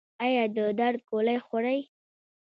ایا د درد ګولۍ خورئ؟